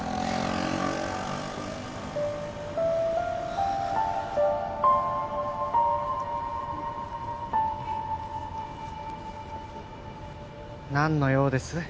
はあ何の用です？